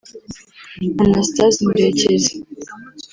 Anastase Murekezi